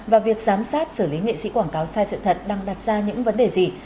và việc giám sát xử lý nghệ sĩ quảng cáo sai sự thật đang đặt ra những vấn đề gì